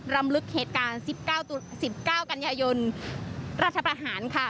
รำลึกเหตุการณ์๑๙๑๙กันยายนรัฐประหารค่ะ